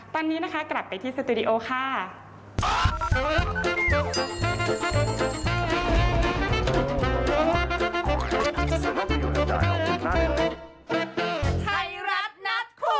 ตอนนี้นะคะกลับไปที่สตูดิโอค่ะ